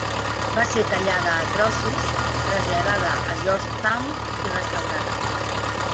Va ser tallada a trossos, traslladada a Georgetown i restaurada.